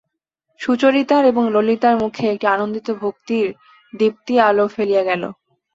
সুচরিতার এবং ললিতার মুখে একটি আনন্দিত ভক্তির দীপ্তি আলো ফেলিয়া গেল।